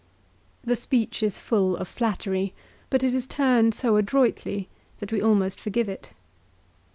The speech is full of flattery, but it is turned so adroitly that we almost forgive it.